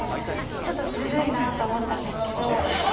ちょっとずるいなあと思ったんですけど。